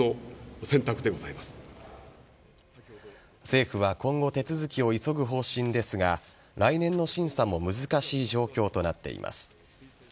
政府は今後手続きを急ぐ方針ですが来年の審査も難しい状況となっています。